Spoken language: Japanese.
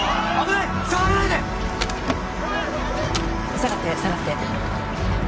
下がって下がって。